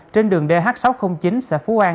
trên đường dh sáu trăm linh chín xã phú an